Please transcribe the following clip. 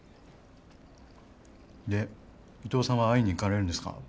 で伊藤さんは会いにいかれるんですか？